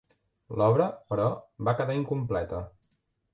L’obra, però, va quedar incompleta.